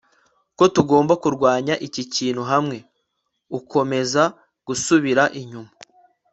ko tugomba kurwanya iki kintu hamwe, ukomeza gusubira inyuma